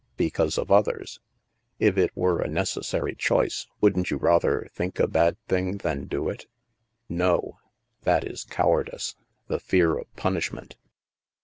" Because of others. If it were a necessary choice, wouldn't you rather think a bad thing than doit?" it it THE MAELSTROM 139 "No; that is cowardice — the fear of punish ment."